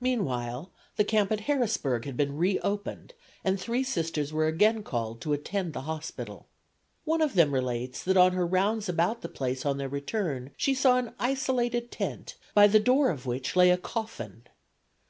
Meanwhile the camp at Harrisburg had been reopened, and three Sisters were again called to attend the hospital. One of them relates that on her rounds about the place on their return she saw an isolated tent by the door of which lay a coffin.